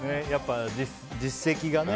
実績がね。